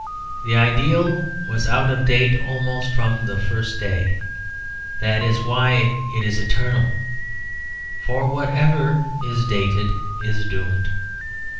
The ideal was out of date almost from the first day; that is why it is eternal; for whatever is dated is doomed.